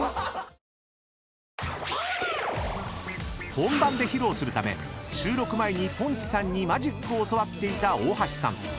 ［本番で披露するため収録前にポンチさんにマジックを教わっていた大橋さん］